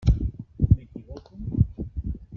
M'equivoco?